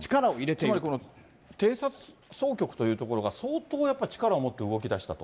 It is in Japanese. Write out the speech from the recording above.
つまり、偵察総局という所が相当やっぱり力を持って動きだしたと？